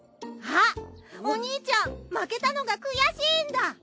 あっお兄ちゃん負けたのが悔しいんだ。